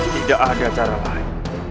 tidak ada cara lain